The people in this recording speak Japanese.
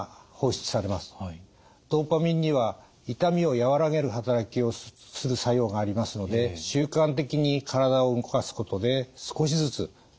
ドパミンには痛みを和らげる働きをする作用がありますので習慣的に体を動かすことで少しずつ楽になっていきます。